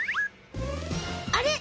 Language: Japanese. あれ？